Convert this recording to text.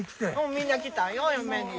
みんな来たんよお嫁に。